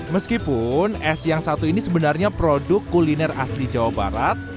meskipun es yang satu ini sebenarnya produk kuliner asli jawa barat